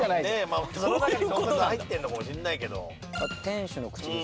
まあその中にとんかつ入ってるのかもしんないけど。